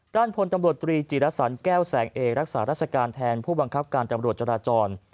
พลตำรวจตรีจิรสันแก้วแสงเอกรักษาราชการแทนผู้บังคับการตำรวจจราจร